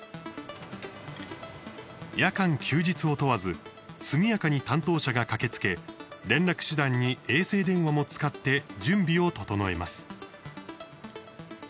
夜間休日を問わず速やかに担当者が駆けつけ連絡手段に衛星電話も使って準備を整えます。